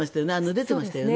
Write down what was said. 出てましたよね。